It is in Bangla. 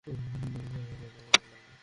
জনমতের ব্যাপারটা মাথায় রাখা লাগবে।